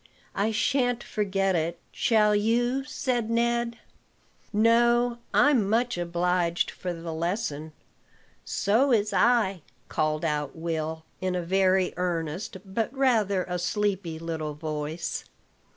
I shan't forget it, shall you?" said Ned. "No: I'm much obliged for the lesson." "So is I," called out Will, in a very earnest, but rather a sleepy, little voice.